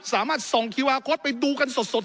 สามารถส่องคิวาก็อตไปดูกันสดสด